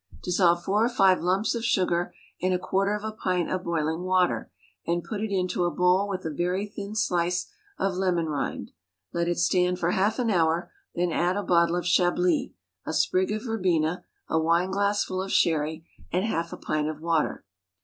Dissolve four or five lumps of sugar in a quarter of a pint of boiling water, and put it into a bowl with a very thin slice of lemon rind; let it stand for half an hour, then add a bottle of chablis, a sprig of verbena, a wine glassful of sherry, and half a pint of water.